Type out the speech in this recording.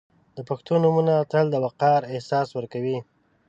• د پښتو نومونه تل د وقار احساس ورکوي.